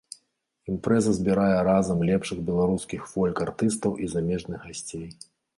Імпрэза збірае разам лепшых беларускіх фолк-артыстаў і замежных гасцей.